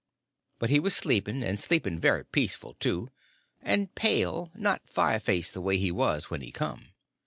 But he was sleeping, and sleeping very peaceful, too; and pale, not fire faced the way he was when he come.